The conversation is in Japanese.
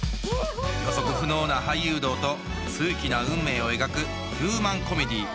予測不能な俳優道と数奇な運命を描くヒューマンコメディー